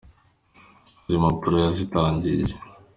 Izi mpapuro yazitangiye.